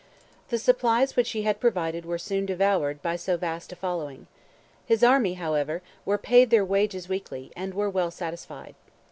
The supplies which he had provided were soon devoured by so vast a following. His army, however, were paid their wages weekly, and were well satisfied.